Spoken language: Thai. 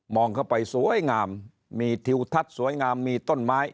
องเข้าไปสวยงามมีทิวทัศน์สวยงามมีต้นไม้